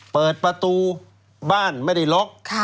เปิดประตูบ้านไม่ได้ล็อก